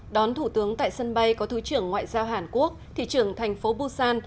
đón thủ tướng tại sân bay có thủ trưởng ngoại giao hàn quốc thủ trưởng thành phố busan